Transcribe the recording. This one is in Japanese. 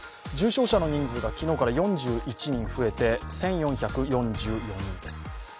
重症者の人数が昨日から４１人増えて１４４４人です。